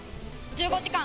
１５時間。